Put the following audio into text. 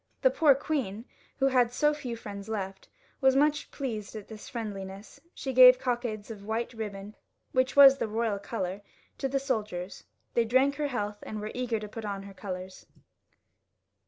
The poor queen, who had so few friends left, was much pleased 'at this friendliness ; she gave cockades of white ribbon, which was the royal colour, to the soldiers ; they drank her health, and were eager to put on her colours.